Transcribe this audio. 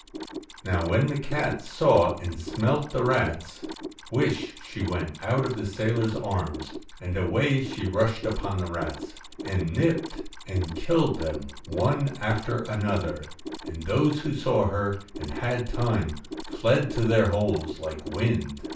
Now when the cat saw and smelt the rats, whish she went out of the sailor's arms, and away she rushed upon the rats, and nipped and killed them one after another, and those who saw her, and had time, fled to their holes like wind.